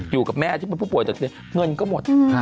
อยู่กับแม่ที่เป็นผู้ป่วยจากเตียงเงินก็หมด